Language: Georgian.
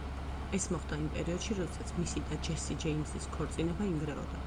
ეს მოხდა იმ პერიოდში როდესაც მისი და ჯესი ჯეიმზის ქორწინება ინგრეოდა.